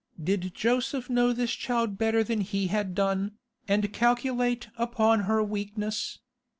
Did Joseph know this child better than he had done, and calculate upon her weakness?